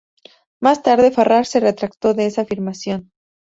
Más tarde Farrar se retractó de esta afirmación.